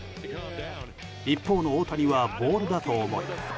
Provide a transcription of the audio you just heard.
一方の大谷は、ボールだと思い